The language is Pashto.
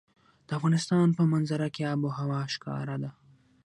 د افغانستان په منظره کې آب وهوا ښکاره ده.